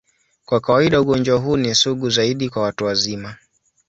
Kwa kawaida, ugonjwa huu ni sugu zaidi kwa watu wazima.